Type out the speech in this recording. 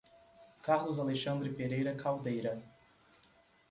Carlos Alexandre Pereira Caldeira